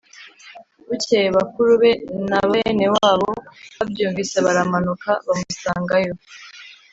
Bukeye bakuru be na bene wabo babyumvise baramanuka bamusangayo.